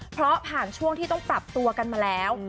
เพราะผ่านช่วงที่ต้องปรับตัวกันมาแล้ว